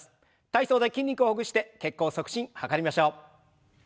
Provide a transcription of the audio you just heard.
体操で筋肉をほぐして血行促進図りましょう。